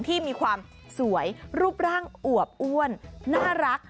ที่มีความสวยรูปร่างอวบอ้วนน่ารัก